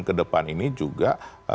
ke depan ini juga